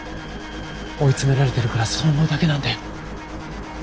追い詰められてるからそう思うだけなんだよ。